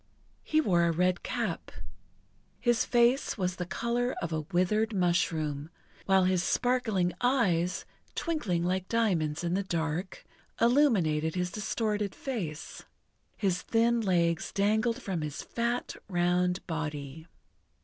He wore a red cap. His face was the colour of a withered mushroom, while his sparkling eyes, twinkling like diamonds in the dark, illuminated his distorted face. His thin legs dangled from his fat, round body.